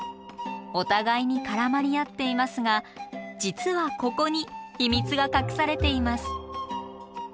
お互いに絡まり合っていますが実はここに秘密が隠されています。